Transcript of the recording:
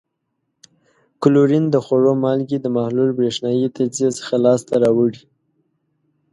کلورین د خوړو مالګې د محلول برېښنايي تجزیې څخه لاس ته راوړي.